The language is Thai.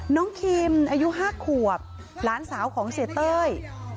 คิมอายุ๕ขวบหลานสาวของเสียเต้ย